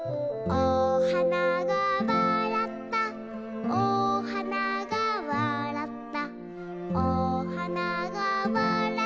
「おはながわらったおはながわらった」